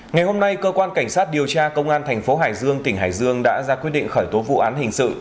ngày hôm nay cơ quan cảnh sát điều tra công an thành phố hải dương tỉnh hải dương đã ra quyết định khởi tố vụ án hình sự